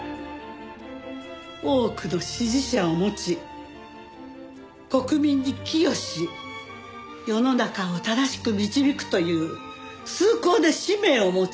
多くの支持者を持ち国民に寄与し世の中を正しく導くという崇高な使命を持つ。